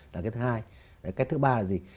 cái thứ hai cái thứ ba là gì